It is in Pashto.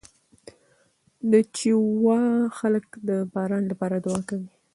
د چیواوا خلک د باران لپاره دعا کوي.